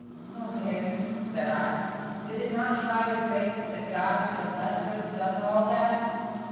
"O Harry," said I, "did it not try your faith, that God should have left her to suffer all that?"